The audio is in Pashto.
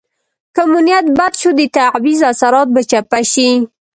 که مو نیت بد شو د تعویض اثرات به چپه شي.